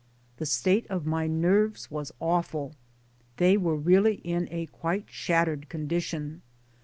The state of my nerves was awful ; they were really in a quite shattered condition.